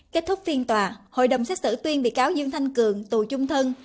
kết thúc phiên tòa hội đồng xét xử tuyên bị cáo dương thanh cường tù chung thân